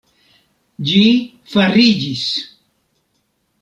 Ĝi fariĝis!